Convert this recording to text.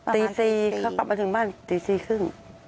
ตี๔เขากลับมาถึงบ้านตี๔๓๐